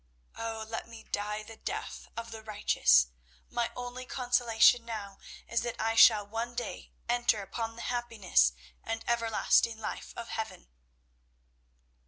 Oh, let me die the death of the righteous. My only consolation now is that I shall one day enter upon the happiness and everlasting life of heaven."